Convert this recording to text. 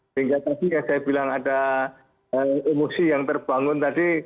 sehingga tadi yang saya bilang ada emosi yang terbangun tadi